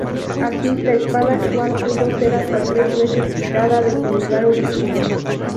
Así, la espada actual pudo ser hasta tres veces quitada de su lugar original.